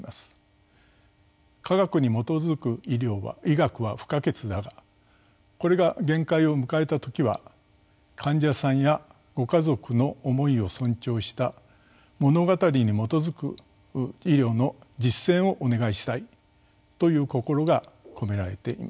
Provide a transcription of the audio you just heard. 「科学に基づく医学」は不可欠だがこれが限界を迎えた時は患者さんやご家族の思いを尊重した「物語に基づく医療」の実践をお願いしたいという心が込められています。